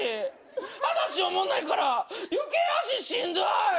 話おもんないから余計足しんどい！